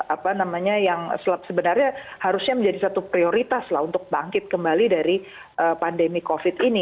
apa namanya yang sebenarnya harusnya menjadi satu prioritas lah untuk bangkit kembali dari pandemi covid ini